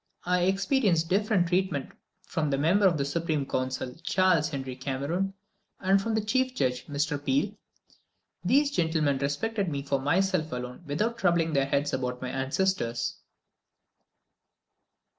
I experienced different treatment from the member of the Supreme Council, Charles Henry Cameron, and from the chief judge, Mr. Peel. These gentlemen respected me for myself alone without troubling their heads about my ancestors.